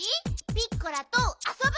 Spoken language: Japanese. ピッコラとあそぶ？